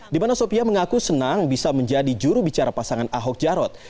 dimana sofia mengaku senang bisa menjadi jurubicara pasangan ahok jarod